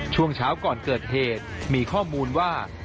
ช่วงเช้าก่อนเกิดเหตุมีข้อมูลว่านายน้องทชัย